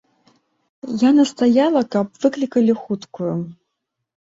Я настаяла, каб выклікалі хуткую.